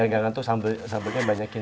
jangan jangan tuh sambelnya banyakin